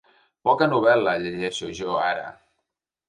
Poca novel·la, llegeixo, jo, ara.